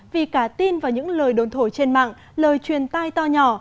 vì cả tin vào những lời đồn thổi trên mạng lời truyền tai to nhỏ